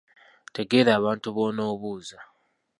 Tegeera abantu b’onoobuuza